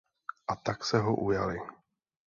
A tak se ho ujali.